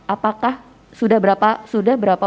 apakah sudah berapa